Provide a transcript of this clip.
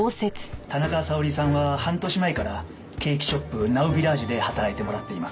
田中沙織さんは半年前からケーキショップ・ナウビラージュで働いてもらっています。